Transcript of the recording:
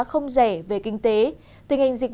không rẻ về kinh tế tình hình dịch